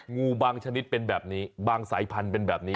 งูบางชนิดเป็นแบบนี้บางสายพันธุ์เป็นแบบนี้